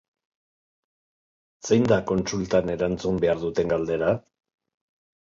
Zein da kontsultan erantzun behar duten galdera?